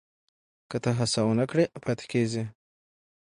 که ته هڅه ونه کړې پاتې کېږې.